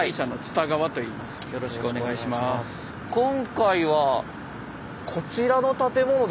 今回はこちらの建物ですかね？